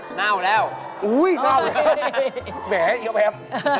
เหน่าแล้วอุ๊ยเหน่าเหรอแม๋เยียบ